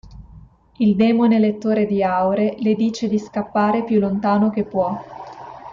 Il demone lettore di aure le dice di scappare più lontano che può.